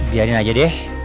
biarin aja deh